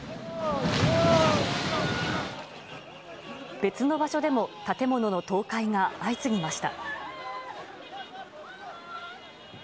別の場所でも建物の倒壊が相次ぎました。